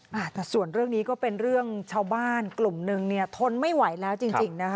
แต่ส่วนเรื่องนี้ก็เป็นเรื่องชาวบ้านกลุ่มนึงเนี่ยทนไม่ไหวแล้วจริงนะคะ